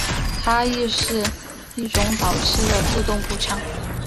它亦是一种早期的自动步枪。